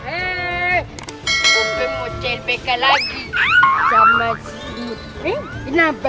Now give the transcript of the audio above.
hei upin mau clpk lagi sama si ipin kenapa